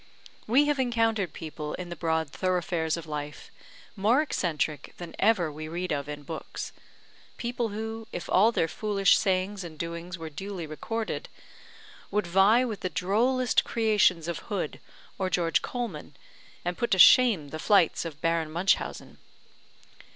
We have encountered people in the broad thoroughfares of life more eccentric than ever we read of in books; people who, if all their foolish sayings and doings were duly recorded, would vie with the drollest creations of Hood, or George Colman, and put to shame the flights of Baron Munchausen.